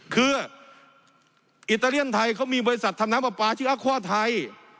คืออิตาเลียนไทยเขามีบริษัททำน้ำปลาปลาชื่ออาคอไทย